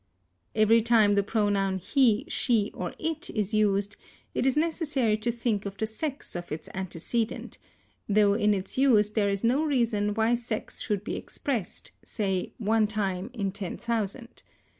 Every time the pronoun he, she, or it is used it is necessary to think of the sex of its antecedent, though in its use there is no reason why sex should be expressed, say, one time in ten thousand.